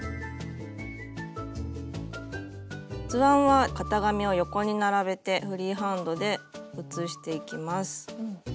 図案は型紙を横に並べてフリーハンドで写していきます。